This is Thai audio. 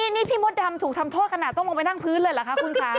นี่พี่มดดำถูกทำโทษขนาดต้องลงไปนั่งพื้นเลยเหรอคะคุณคะ